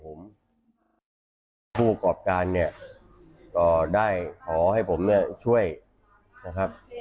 ผมผู้กรอบการเนี่ยก็ได้ขอให้ผมเนี่ยช่วยนะครับ